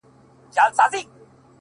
• تـلاوت دي د ښايستو شعرو كومه؛